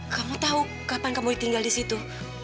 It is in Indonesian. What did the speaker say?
kamu tahu kapan kamu tinggal di situ